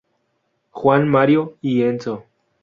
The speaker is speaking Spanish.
Juan Mario y Enzo.